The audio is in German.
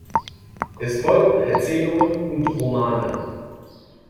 Es folgten Erzählungen und Romane.